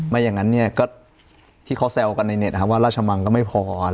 ไม่อย่างนั้นที่เขาแซวกันในเน็ตว่าราชมังก็ไม่พอ